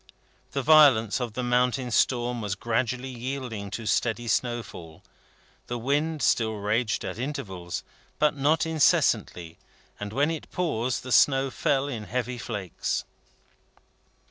The violence of the mountain storm was gradually yielding to steady snowfall. The wind still raged at intervals, but not incessantly; and when it paused, the snow fell in heavy flakes.